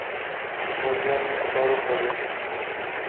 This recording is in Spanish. Murió de un paro cardíaco.